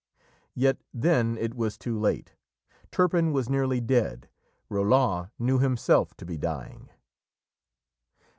Yet then it was too late. Turpin was nearly dead. Roland knew himself to be dying.